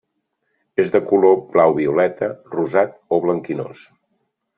És de color blau-violeta, rosat o blanquinós.